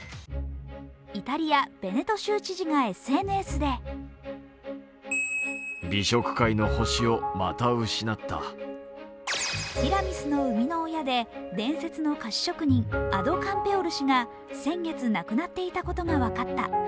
イタリア・ベネト州知事がＳＮＳでティラミスの生みの親で伝説の菓子職人、アド・カンペオル氏が先月亡くなっていたことが分かった。